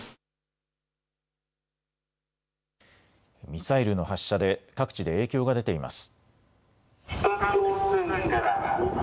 ミサイルの発射で各地で影響が出ています。